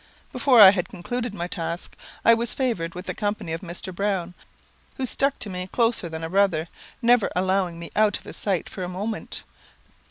Before I had concluded my task, I was favoured with the company of Mr. Browne, who stuck to me closer than a brother, never allowing me out of his sight for a moment.